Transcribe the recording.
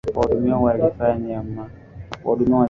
watuhumiwa walifanya mauaji ya kimbari kwa makusudi